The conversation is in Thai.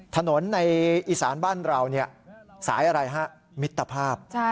ถนนในอีสานบ้านเราสายอะไรฮะมิตรภาพ